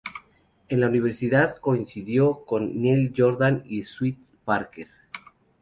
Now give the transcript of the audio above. En la universidad coincidió con Neil Jordan y Stewart Parker.